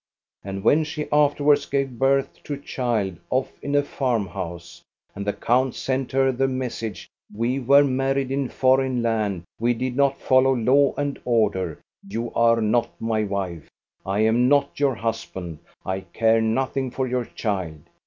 " And when she afterwards gave birth to a child off in a farm house, and the count sent her the message: ' We were married in a foreign land; we did not follow law and order. You are not my wife; I am not your husband. I care nothing for your child!'